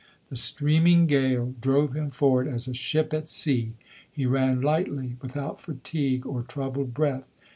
The streaming gale drove him forward as a ship at sea. He ran lightly, without fatigue or troubled breath.